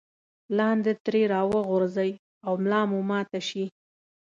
لاندې ترې راوغورځئ او ملا مو ماته شي.